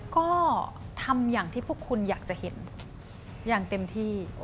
ก็ทำอย่างที่พวกคุณอยากจะเห็นอย่างเต็มที่